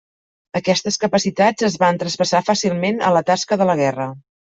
Aquestes capacitats es van traspassar fàcilment a la tasca de la guerra.